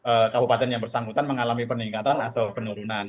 apakah migas di kabupaten yang bersangkutan mengalami peningkatan atau penurunan